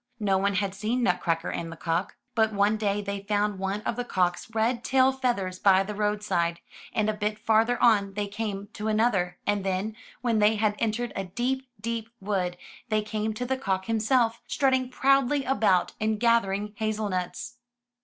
No one had seen Nutcracker and the cock. But one day they found one of the cock's red tail feathers by the roadside, and a bit farther on they came to another, and then, when they had entered a deep, deep wood, they came to the cock himself, strutting proudly about, and gathering hazel nuts.